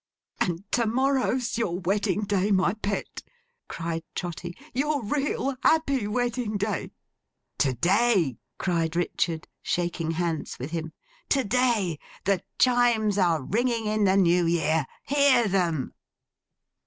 'And to morrow's your wedding day, my pet!' cried Trotty. 'Your real, happy wedding day!' 'To day!' cried Richard, shaking hands with him. 'To day. The Chimes are ringing in the New Year. Hear them!